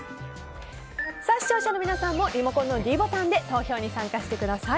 視聴者の皆さんもリモコンのｄボタンで投票に参加してください。